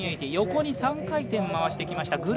横に３回転回してきました。